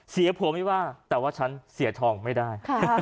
เสียผัวไม่ว่าแต่ว่าฉันเสียทองไม่ได้